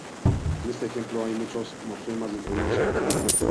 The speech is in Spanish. En este ejemplo, hay muchos morfemas dentro de una sola palabra.